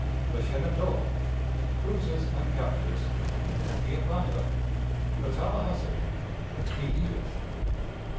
The Shenandoah. Cruises and Captures. The Atlanta. The Tallahassee. The Edith.